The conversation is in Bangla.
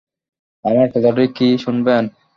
আমার কথাটা কি শুনবেন?